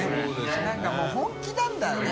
何かもう本気なんだよね。